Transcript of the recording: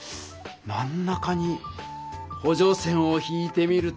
真ん中にほ助線を引いてみるとどうかな？